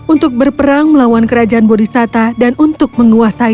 untuk berperang melawan kerajaan bodhisatta dan untuk menguasainya